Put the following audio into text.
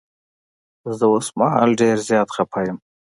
زه اوس مهال ډير زيات خفه یم.